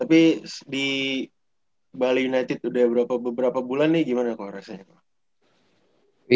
tapi di bali united udah beberapa bulan nih gimana ko rasanya pak